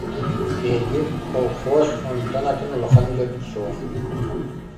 Биһиги колхоз онтон атын улахан үлэбит суох.